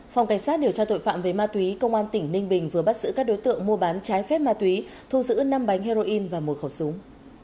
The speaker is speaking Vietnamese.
phòng cảnh sát điều tra tội phạm về ma túy công an tỉnh ninh bình vừa bắt giữ các đối tượng mua bán trái phép ma túy thu giữ năm bánh heroin và một khẩu súng